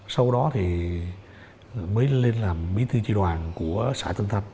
sau đó thì mới lên làm bí thư tri đoàn của xã tân thanh